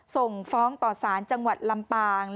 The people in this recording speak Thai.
ส่งฟ้องต่อสารจังหวัดลำปาง